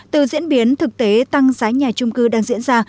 từ diễn biến thực tế tăng giá nhà trung cư đang diễn ra